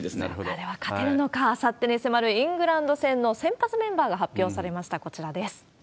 さあ、では勝てるのか、あさってに迫るイングランド戦の先発メンバーが発表されました。